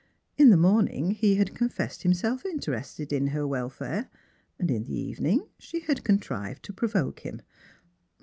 In the morning he had confessed himself interested in her welfare; in the evening she had contrived to provoke him.